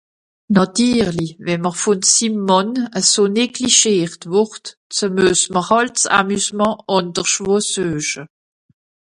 Nàtirlich, wenn m’r vùn sim Mànn eso neglischiert wùrd, ze muess m’r hàlt ’s Amusement àndersch wo sueche.